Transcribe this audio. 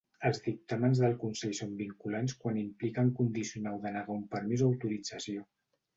Els dictàmens del Consell són vinculants quan impliquen condicionar o denegar un permís o autorització.